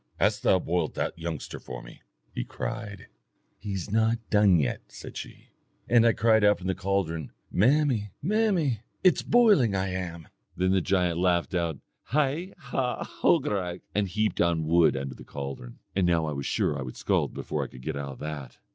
'Hast thou boiled that youngster for me?' he cried. 'He's not done yet,' said she, and I cried out from the caldron, 'Mammy, mammy, it's boiling I am.' Then the giant laughed out HAI, HAW, HOGARAICH, and heaped on wood under the caldron. "And now I was sure I would scald before I could get out of that.